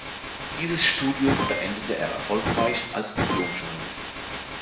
Dieses Studium beendete er erfolgreich als Diplom-Journalist.